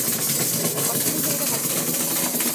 কতদিন ধরে এটা ভাবছিলে?